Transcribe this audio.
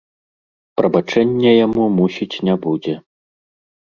Прабачэння яму, мусіць, не будзе.